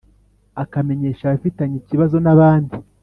akamenyesha abafitanye ikibazo n abandi